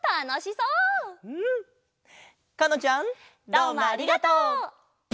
どうもありがとう！